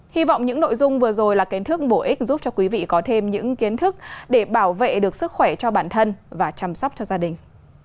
hy vọng những nội dung vừa rồi là kiến thức bổ ích giúp cho quý vị có thêm những kiến thức để bảo vệ được sức khỏe cho bản thân và chăm sóc cho gia đình